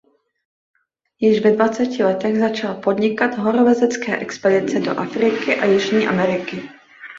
Již ve dvaceti letech začal podnikat horolezecké expedice do Afriky a Jižní Ameriky.